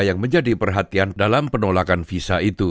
yang menjadi perhatian dalam penolakan visa itu